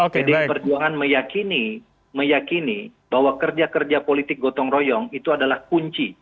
pdi perjuangan meyakini bahwa kerja kerja politik gotong royong itu adalah kunci